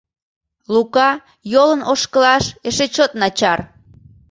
Лука йолын ошкылаш эш чот начар.